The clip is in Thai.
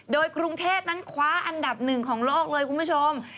โดยกรุงเทพนั้นคว้าอันดับหนึ่งของโลกเลยคุณผู้ชม